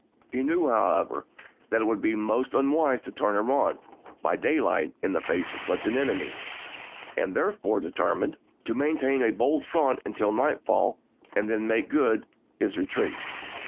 He knew, however, that it would be most unwise to turn and run by daylight in the face of such an enemy, and he therefore determined 172 ABRAHAM LINCOLN chap. vii. to maintain a bold front until nightfall, and then make good his retreat.